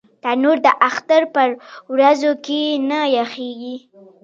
تنور د اختر پر ورځو کې نه یخېږي